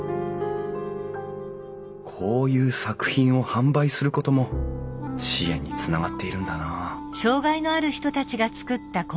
こういう作品を販売することも支援につながっているんだな